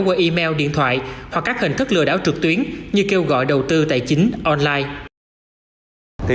qua email điện thoại hoặc các hình thức lừa đảo trực tuyến như kêu gọi đầu tư tài chính online